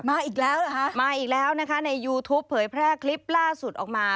อีกแล้วเหรอฮะมาอีกแล้วนะคะในยูทูปเผยแพร่คลิปล่าสุดออกมา